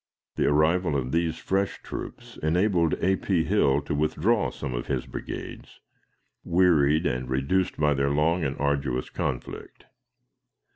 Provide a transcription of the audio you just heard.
The arrival of these fresh troops enabled A. P. Hill to withdraw some of his brigades, wearied and reduced by their long and arduous conflict.